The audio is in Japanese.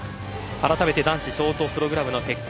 あらためて男子ショートプログラムの結果。